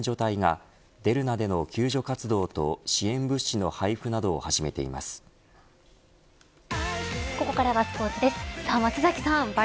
エジプトやトルコなど各国の援助隊がデルナでの救助活動と支援物資の配布などをここからはスポーツです。